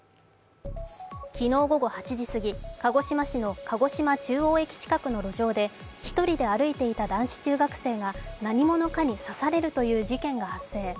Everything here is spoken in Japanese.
昨日午後８時過ぎ、鹿児島市の鹿児島中央駅近くの路上で１人で歩いていた男子中学生が何者かに刺されるという事件が発生。